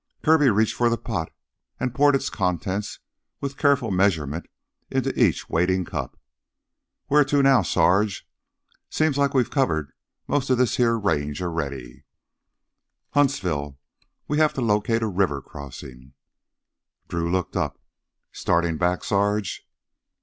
Kirby reached for the pot and poured its contents, with careful measurement, into each waiting cup. "Wheah to now, Sarge? Seems like we've covered most of this heah range already." "Huntsville. We have to locate a river crossin'." Drew looked up. "Startin' back, Sarge?"